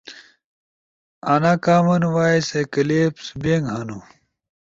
آنا کامن وائے اے کلپس بنک ہنُو۔